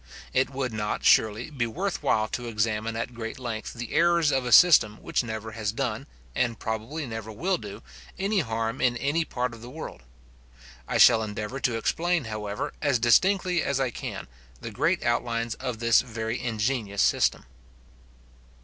It would not, surely, be worth while to examine at great length the errors of a system which never has done, and probably never will do, any harm in any part of the world. I shall endeavour to explain, however, as distinctly as I can, the great outlines of this very ingenious system.